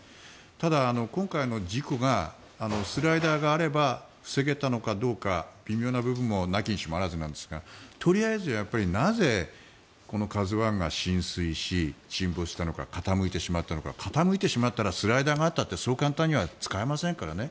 ただ、今回の事故がスライダーがあれば防げたのかどうか、微妙な部分もなきにしろあらずですがとりあえず、なぜこの「ＫＡＺＵ１」が浸水し沈没したのか傾いてしまったのか傾いたってしまってスライダーがあってもそう簡単には使えませんからね。